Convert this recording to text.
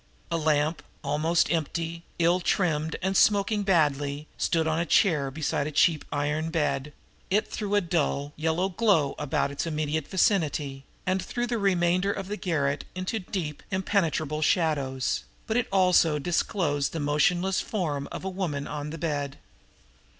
A lamp, almost empty, ill trimmed and smoking badly, stood on a chair beside a cheap iron bed; it threw a dull, yellow glow about its immediate vicinity, and threw the remainder of the garret into deep, impenetrable shadows; but also it disclosed the motionless form of a woman on the bed.